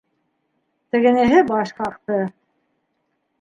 Тегенеһе баш ҡаҡты.